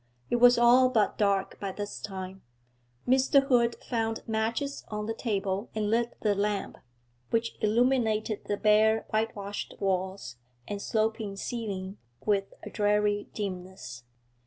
It was all but dark by this time; Mr. Hood found matches on the table and lit the lamp, which illuminated the bare whitewashed walls and sloping ceiling with a dreary dimness.